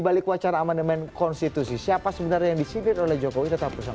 balik wacara amandemen konstitusi siapa sebenarnya yang disipir oleh jokowi tetap bersama